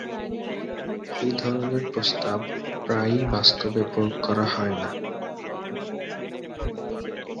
এই ধরনের প্রস্তাব প্রায়ই বাস্তবে প্রয়োগ করা হয় না।